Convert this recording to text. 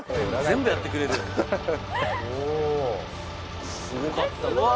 全部やってくれるようわ